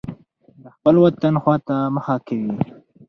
د خپل وطن خوا ته مخه کوي.